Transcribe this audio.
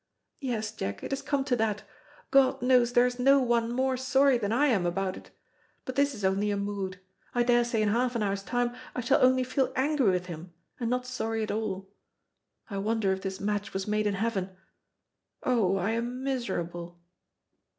Yes, Jack, it has come to that. God knows there is no one more sorry than I am about it. But this is only a mood. I daresay in half an hour's time I shall only feel angry with him, and not sorry at all. I wonder if this match was made in heaven. Oh, I am miserable."